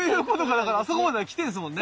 だからあそこまでは来てるんですもんね。